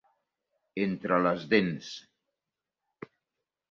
entre les dents